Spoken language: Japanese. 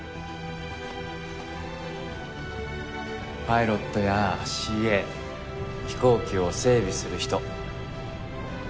パイロットやＣＡ飛行機を整備する人。